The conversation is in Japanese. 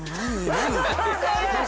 何？